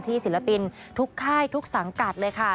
ศิลปินทุกค่ายทุกสังกัดเลยค่ะ